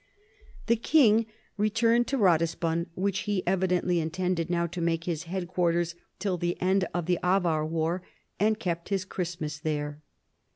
The king WARS WITH AVARS AND SCLAVES. 213 returned to Ratisbon, which he evidently intended now to make his headquarters till the end of the Avar war, and kept his Christmas there.